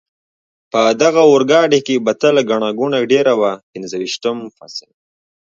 په دغه اورګاډي کې به تل ګڼه ګوڼه ډېره وه، پنځه ویشتم فصل.